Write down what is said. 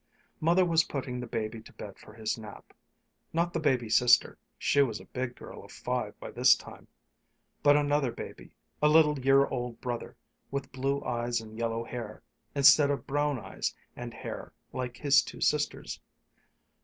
Mother was putting the baby to bed for his nap not the baby sister she was a big girl of five by this time, but another baby, a little year old brother, with blue eyes and yellow hair, instead of brown eyes and hair like his two sisters'.